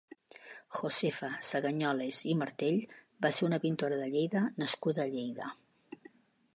Josefa Sagañoles i Martell va ser una pintora de Lleida nascuda a Lleida.